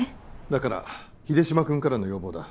だから秀島君からの要望だ